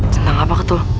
cinta apa ketul